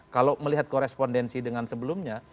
kalau melihat korespondensi dengan sebelumnya